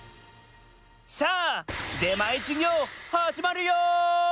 さあ出前授業はじまるよ！